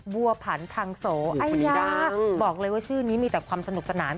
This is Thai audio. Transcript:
บัวผันทางโสไอด้าบอกเลยว่าชื่อนี้มีแต่ความสนุกสนาน